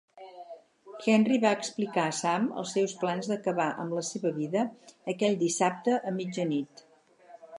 Henry va explicar a Sam els seus plans d'acabar amb la seva vida aquell dissabte a mitjanit.